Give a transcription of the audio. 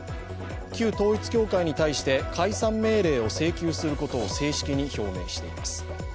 旧統一教会に対して解散命令を請求することを正式に表明しています。